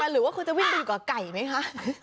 หรือว่าคุณจะวิ่งตรงกับไก่มั้ยคะ